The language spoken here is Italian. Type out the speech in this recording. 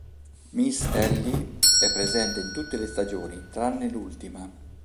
Miss Ellie è presente in tutte le stagioni, tranne l'ultima.